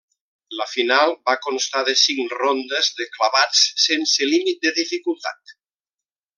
La final va constar de cinc rondes de clavats sense límit de dificultat.